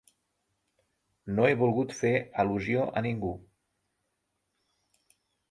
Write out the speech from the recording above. No he volgut fer al·lusió a ningú.